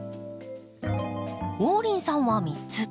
王林さんは３つ。